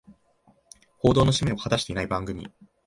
報道の使命を果たしてない番組